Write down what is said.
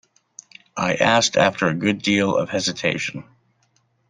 I asked after a good deal of hesitation.